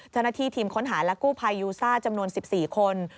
จณที่ทีมค้นหาและกู้ภัยยูศาสตร์จำนวน๑๔คน